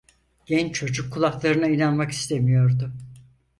Genç çocuk kulaklarına inanmak istemiyordu.